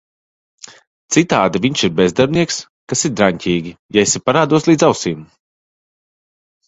Citādi viņš ir bezdarbnieks - kas ir draņķīgi, ja esi parādos līdz ausīm…